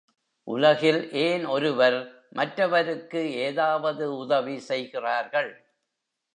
உலகில் ஏன் ஒருவர் மற்றவருக்கு ஏதாவது உதவி செய்கிறார்கள்?